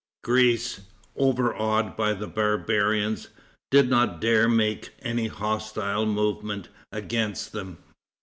Greece, overawed by the barbarians, did not dare to make any hostile movement against them.